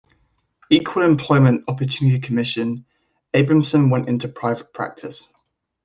Equal Employment Opportunity Commission, Abramson went into private practice.